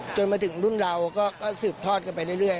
จนมาถึงรุ่นเราก็สืบทอดกันไปเรื่อย